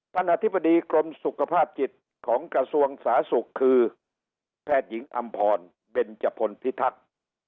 อธิบดีกรมสุขภาพจิตของกระทรวงสาธารณสุขคือแพทย์หญิงอำพรเบนจพลพิทักษ์